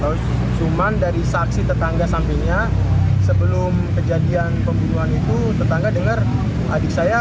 tahu cuman dari saksi tetangga sampingnya sebelum kejadian pembunuhan itu tetangga dengar adik saya